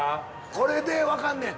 これで分かんねん。